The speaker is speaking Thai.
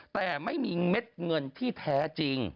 แต่ไม่มีเม็ดเงินที่แท้จริง